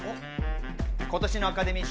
今年のアカデミー賞